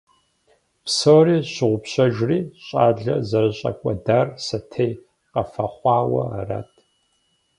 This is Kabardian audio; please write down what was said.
Псори щыгъупщэжри, щӏалэр зэрыӏэщӏэкӏуэдар сэтей къыфӏэхъуауэ арат.